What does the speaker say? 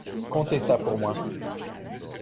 Contez ça pour moi.